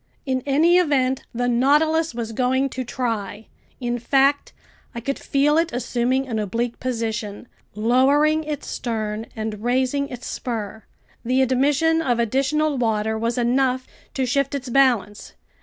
In any event the Nautilus was going to try. In fact, I could feel it assuming an oblique position, lowering its stern and raising its spur. The admission of additional water was enough to shift its balance.